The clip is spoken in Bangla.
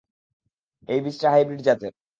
এই বীজটা হাইব্রিড জাতের।